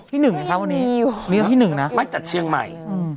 ที่๑ไงฮะวันนี้มีคนที่๑นะไม่แต่เชียงใหม่